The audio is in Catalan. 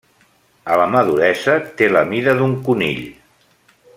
A la maduresa té la mida d'un conill.